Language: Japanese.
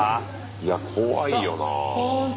いや怖いよなぁ。